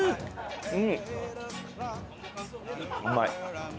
うん。